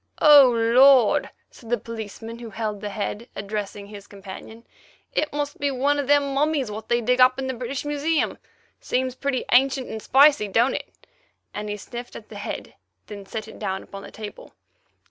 "Oh, Lord!" said the policeman who held the head, addressing his companion, "it must be one of them mummies what they dig up in the British Museum. Seems pretty ancient and spicy, don't it?" and he sniffed at the head, then set it down upon the table.